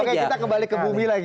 oke kita kembali ke bumi lagi